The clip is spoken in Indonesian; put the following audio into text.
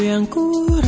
aku akan mencintaimu